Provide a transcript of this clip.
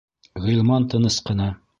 Ғилман тыныс ҡына: